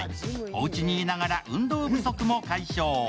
おうちにいながら運動不足も解消。